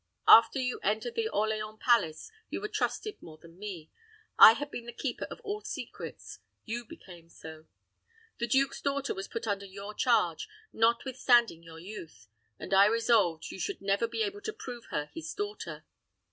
After you entered the Orleans palace you were trusted more than me. I had been the keeper of all secrets; you became so. The duke's daughter was put under your charge, notwithstanding your youth; and I resolved you should never be able to prove her his daughter."